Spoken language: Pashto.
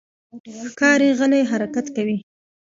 ښکاري غلی حرکت کوي.